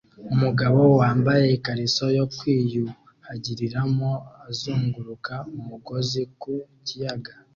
Umugabo wambaye ikariso yo kwiyuhagiriramo azunguruka umugozi ku kiyaga